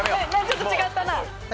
ちょっと違ったな。